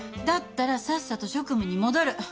だったらさっさと職務に戻る。